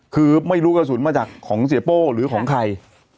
คือไม่รู้กระสุนมาจากของเสียโป้หรือของใคร